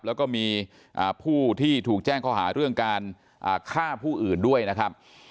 แล้วก็มีผู้ที่ถูกแจ้งข้อหาเรื่องการฆ่าผู้อื่นด้วยนะครับ